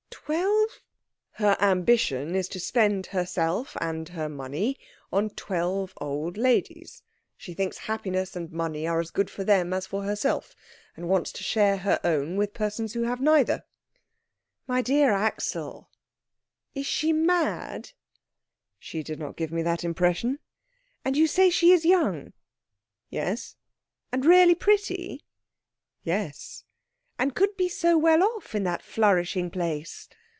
"Twelve ?" "Her ambition is to spend herself and her money on twelve old ladies. She thinks happiness and money are as good for them as for herself, and wants to share her own with persons who have neither." "My dear Axel is she mad?" "She did not give me that impression." "And you say she is young?" "Yes." "And really pretty?" "Yes." "And could be so well off in that flourishing place!"